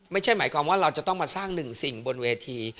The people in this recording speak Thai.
ไม่ใช่หมายความว่าเราจะต้องมาสร้างหนึ่งสิ่งบนเวที